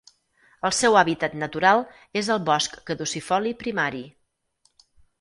El seu hàbitat natural és el bosc caducifoli primari.